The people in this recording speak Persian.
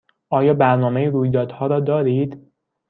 آیا برنامه رویدادها را دارید؟